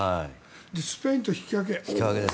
スペインと引き分け。